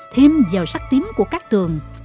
thêm dầu sắc tím của các tường